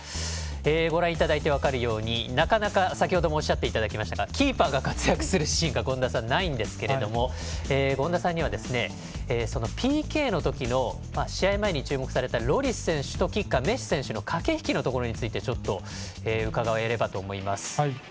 ご覧いただいて分かるようになかなか、先ほどもおっしゃってくださいましたがキーパーが活躍するシーンがないんですけども権田さんにはＰＫのときの試合前に注目されたロリス選手とキッカー、メッシ選手の駆け引きについて伺えればと思います。